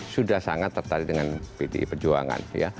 sudah sangat tertarik dengan pdi perjuangan